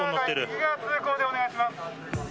右側通行でお願いします。